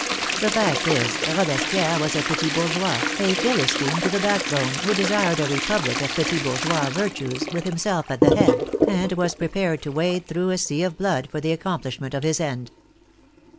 The fact is, Robespierre was a petit bourgeois, a Philistine to the backbone, who desired a Republic of petit bourgeois virtues, with himself at the head, and was prepared to wade through a sea of blood for the accomplishment of his end.